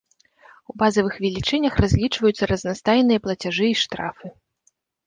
У базавых велічынях разлічваюцца разнастайныя плацяжы і штрафы.